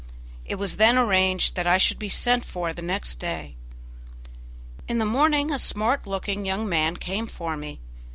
It was then arranged that I should be sent for the next day. In the morning a smart looking young man came for me.